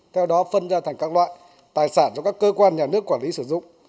theo đó phân ra thành các loại tài sản cho các cơ quan nhà nước quản lý sử dụng